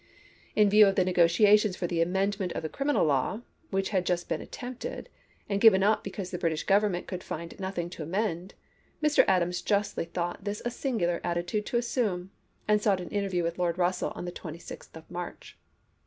In view of the negotiations for the amendment of the criminal law, which had just been attempted, and given up because the British Government could find nothing to amend, Mr. Adams justly thought this a singular attitude to assume ; and sought an interview with Lord Russell on the 26th of March.